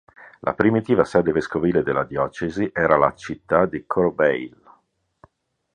La primitiva sede vescovile della diocesi era la città di Corbeil.